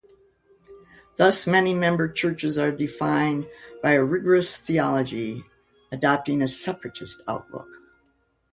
Thus, many member churches are defined by a rigorous theology, adopting a separatist outlook.